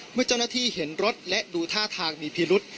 เมื่อเจ้าหน้าที่เห็นรถและดูท่าทางมีพิรุษ